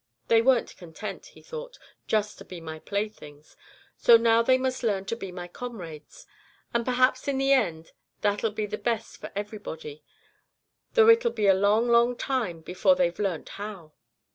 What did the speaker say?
'They weren't content,' He thought, 'just to be My playthings, so now they must learn to be My comrades; and perhaps in the end that'll be the best for everybody, though it'll be a long, long time before they've learnt how.'